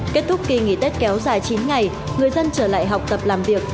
kết thúc kỳ nghỉ tết kéo dài chín ngày người dân trở lại học tập làm việc